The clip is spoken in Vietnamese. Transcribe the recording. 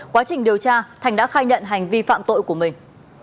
quá trình điều tra thành đã khai nhận hành vi phạm tội của mình